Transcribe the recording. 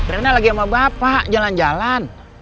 rena lagi sama bapak jalan jalan